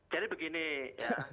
jadi begini ya